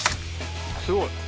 すごい。